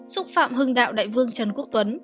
xúc phạm hưng đạo đại vương trần quốc tuấn